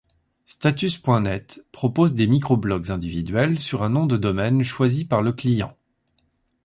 Status.net propose des microblogs individuels sur un nom de domaine choisi par le client.